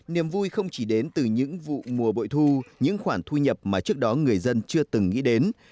niềm vui không chỉ đến từ những vụ mùa bội thu những khoản thu nhập mà trước đó người dân chưa từng nghĩ đến